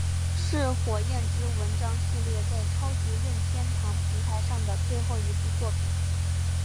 是火焰之纹章系列在超级任天堂平台上的最后一部作品。